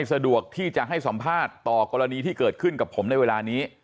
สะดวกที่จะให้สัมภาษณ์ต่อกรณีที่เกิดขึ้นกับผมในเวลานี้